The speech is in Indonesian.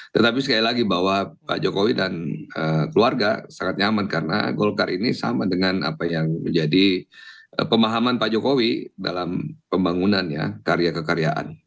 tetapi sekali lagi bahwa pak jokowi dan keluarga sangat nyaman karena golkar ini sama dengan apa yang menjadi pemahaman pak jokowi dalam pembangunan ya karya kekaryaan